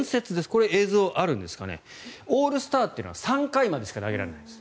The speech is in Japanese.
これは映像があるんですがオールスターというのは３回までしか投げられない。